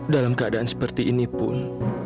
dalam keadaan seperti ini pun